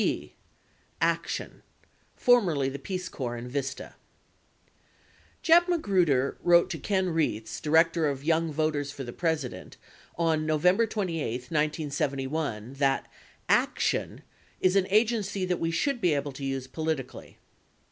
b. ACTION ( Formerly the Peace Corps and Vista) Jeb Magruder wrote to Ken Reitz, director of Young Voters for the President, on November 28, 1971, that ACTION "is an agency that we should be able to use politically."